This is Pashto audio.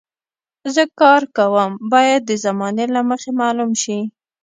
زه کار کوم باید د زمانې له مخې معلوم شي.